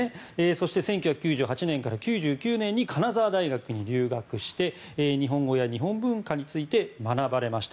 そして、１９９８年から９９年に金沢大学に留学して日本語や日本文化について学ばれました。